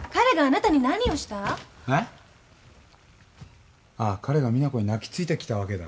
彼が実那子に泣きついてきたわけだ。